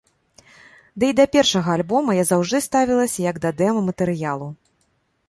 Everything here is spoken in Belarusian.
Ды і да першага альбома я заўжды ставілася, як да дэма-матэрыялу.